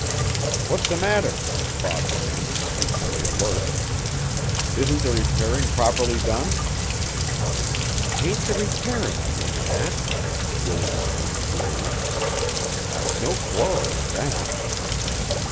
"What's the matter?" Bob demanded, instantly alert. "Isn't the repairing properly done?" "'Tain't the repairin' I'm lookin' at," Willie returned slowly. "I've no quarrel with that."